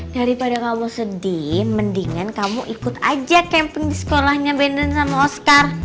daripada kamu sedih mendingan kamu ikut aja campaign di sekolahnya bendan sama oscar